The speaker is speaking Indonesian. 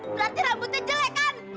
berarti rambutnya jelek kan